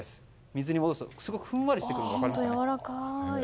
水に戻すとふんわりしているのが分かりますね。